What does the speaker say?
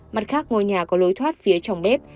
mặt khác ngôi nhà có lối thoát phía trong bếp